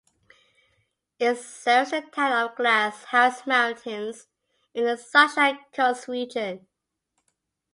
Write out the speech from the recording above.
It serves the town of Glass House Mountains in the Sunshine Coast Region.